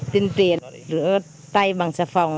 tuyên truyền rửa tay bằng xe phòng